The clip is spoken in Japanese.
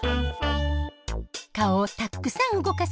顔をたっくさん動かす